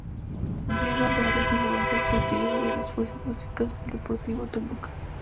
Diego Andrade es un jugador surgido de las fuerzas básicas del Deportivo Toluca.